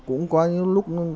cũng có những lúc